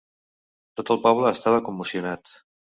Tot el poble estava commocionat.